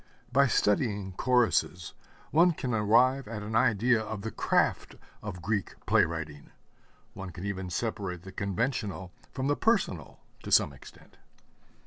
By studying choruses one can arrive at an idea of the craft of Greek play writing one can even separate the conventional from the personal to some extent.